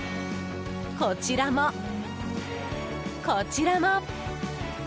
こちらも、こちらも。